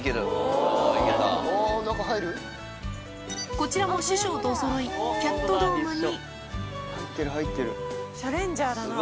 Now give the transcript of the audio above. こちらも師匠とおそろい、キャットドームに。